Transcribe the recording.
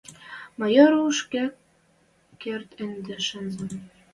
Майор уж ак керд ӹнде шӹнзен.